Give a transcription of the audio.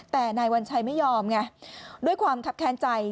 แต่นายวัญชัยไม่ยอมไงด้วยความคับแค้นใจ